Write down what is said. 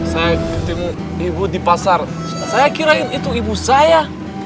saya ketemu ibu di pasar saya kirain itu ibu saya